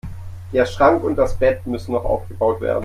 Der Schrank und das Bett müssen noch abgebaut werden.